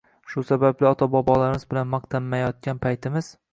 Shu sababli ota bobolarimiz bilan maqtanmayotgan paytimiz